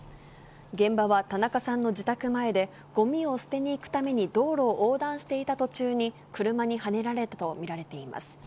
現場は田中さんの自宅前で、ごみを捨てに行くために道路を横断していた途中に車にはねられたと見られています。